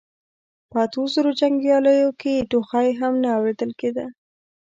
په اتو زرو جنګياليو کې ټوخی هم نه اورېدل کېده.